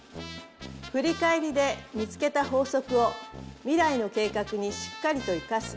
振り返りで見つけた法則を未来の計画にしっかりと生かす。